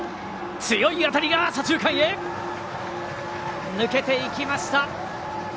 強い当たりが左中間へ抜けていきました！